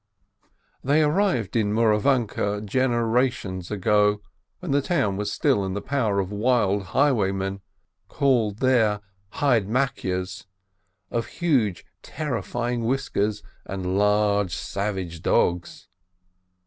They arrived in Mouravanke generations ago, when the town was still in the power of wild highwaymen, called there "Hydemakyes," with huge, terrifying whiskers and large, savage dogs.